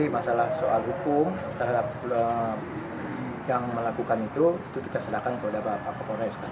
masalah soal hukum terhadap yang melakukan itu itu kita serahkan kepada bapak kapolres